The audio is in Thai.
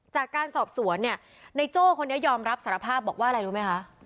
จากการสอบสวนเนี่ยในโจ้คนนี้ยอมรับสารภาพบอกว่าอะไรรู้ไหมคะ